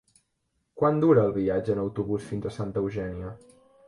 Quant dura el viatge en autobús fins a Santa Eugènia?